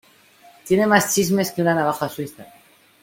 Tiene más chismes que una navaja suiza.